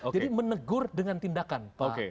jadi menegur dengan tindakan